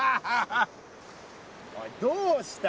おいどうした？